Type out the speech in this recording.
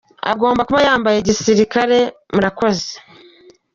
cye agomba kuba yambaye gisirikare murakoze.